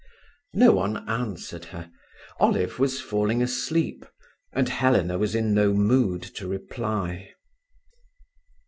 No one answered her. Olive was falling asleep, and Helena was in no mood to reply.